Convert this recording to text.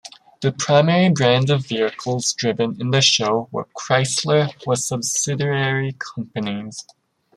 The primary brand of vehicles driven in the show were Chrysler or subsidiary companies.